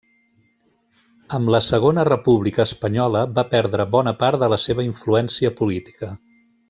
Amb la Segona República Espanyola va perdre bona part de la seva influència política.